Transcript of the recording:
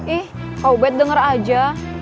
ih kau baik denger aja